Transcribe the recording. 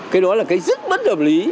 cái đó là cái rất bất đồng lý